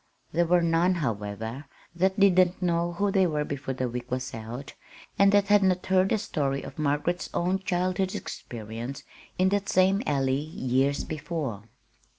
There were none, however, that did not know who they were before the week was out, and that had not heard the story of Margaret's own childhood's experience in that same Alley years before.